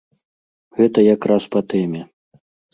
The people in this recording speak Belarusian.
Гэта якраз па тэме.